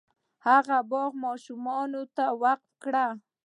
هغه باغ ماشومانو ته وقف کړ.